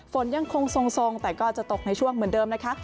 ฝนยังคงทรงแต่ก็จะตกในช่วงเหมือนเดิมนะคะ